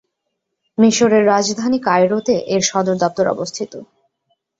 মিশরের রাজধানী কায়রোতে এর সদর দপ্তর অবস্থিত।